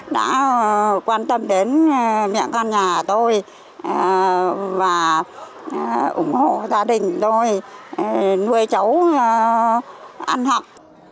đã quan tâm đến mẹ con nhà tôi và ủng hộ gia đình tôi nuôi cháu ăn học